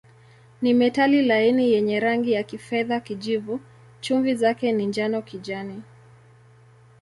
Ni metali laini yenye rangi ya kifedha-kijivu, chumvi zake ni njano-kijani.